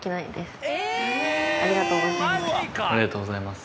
ありがとうございます。